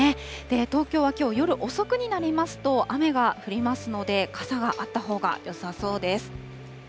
東京はきょう、夜遅くになりますと雨が降りますので、傘があったほうがよさそうです。